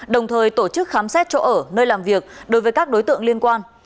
đồng thời tổ chức khám xét chỗ ở nơi làm việc đối với các đối tượng liên quan